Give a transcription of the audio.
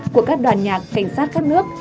của các đoàn nhạc cảnh sát các nước